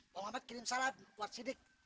bang mamat kirim salat buat siddiq